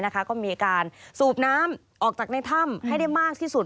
ก็มีการสูบน้ำออกจากในถ้ำให้ได้มากที่สุด